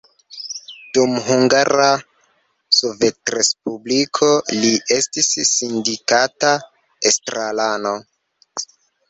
Dum Hungara Sovetrespubliko li estis sindikata estrarano.